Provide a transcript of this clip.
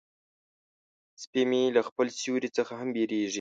سپي مې له خپل سیوري څخه هم بیریږي.